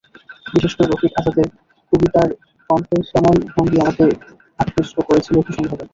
বিশেষ করে রফিক আজাদের কবিতার কনফেশনাল ভঙ্গি আমাকে আকৃষ্ট করেছিল ভীষণভাবে।